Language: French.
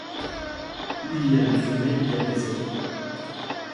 Où il y a des fumées, il y a des hommes.